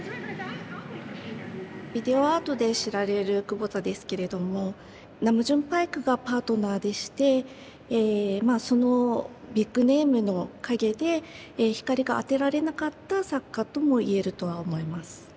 ビデオアートで知られる久保田ですけれどもナムジュン・パイクがパートナーでしてえそのビッグネームの陰で光があてられなかった作家とも言えるとは思います。